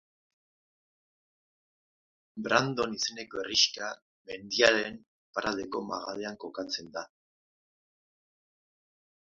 Brandon izeneko herrixka mendiaren iparraldeko magalean kokatzen da.